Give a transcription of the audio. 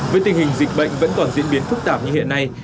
với tình hình dịch bệnh vẫn còn diễn biến phức tạp như hiện nay